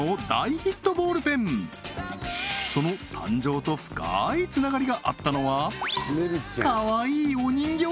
その誕生と深いつながりがあったのはかわいいお人形！？